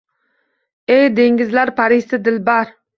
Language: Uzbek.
Ey dengizlar parisi, dilbar?